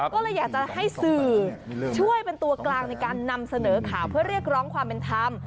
ก็เลยอยากจะให้สื่อช่วยเป็นตัวกลางในการนำเสนอข่าวเพื่อเรียกร้องความเป็นธรรม